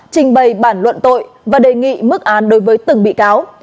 trình bày bản luận tội và đề nghị mức án đối với từng bị cáo